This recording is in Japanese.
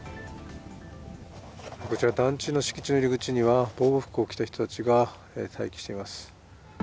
こちら団地の敷地の入り口には防護服を着た人たちが待機しています。